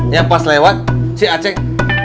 yang pas lewat si aceng